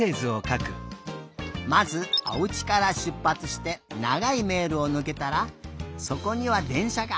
まずおうちからしゅっぱつしてながいめいろをぬけたらそこにはでんしゃが。